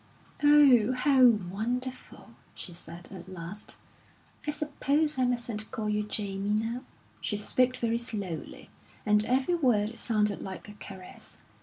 "Oh, how wonderful!" she said, at last "I suppose I mustn't call you Jamie now." She spoke very slowly, and every word sounded like a caress.